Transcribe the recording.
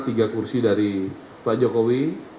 tiga kursi dari pak jokowi